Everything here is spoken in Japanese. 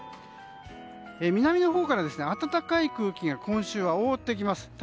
南のほうから暖かい空気が今週、覆ってきます。